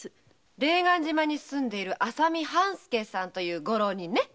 霊岸島に住んでいる浅見半助さんというご浪人ね。